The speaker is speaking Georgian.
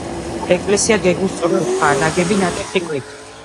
ეკლესია გეგმით სწორკუთხაა, ნაგებია ნატეხი ქვით.